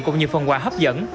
cũng như phần quà hấp dẫn